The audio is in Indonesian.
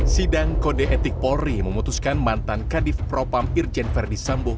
sidang kode etik polri memutuskan mantan kadif propam irjen verdi sambo